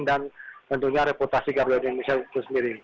dan tentunya reputasi garuda indonesia itu sendiri